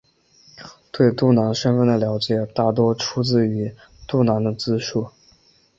对杜兰身份的了解大多出自于杜兰的自述。